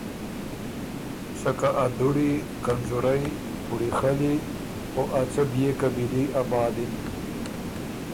سکه ا دُوړی، کنځورئ، پُوړی خلی او ا څه بيې قبیلي آبادِن۔